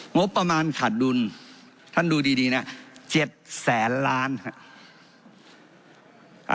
งบประมาณขาดดุลท่านดูดีนะ๗แสนล้านครับ